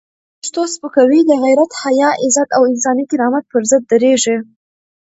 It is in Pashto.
څوک چې پښتو سپکوي، د غیرت، حیا، عزت او انساني کرامت پر ضد درېږي.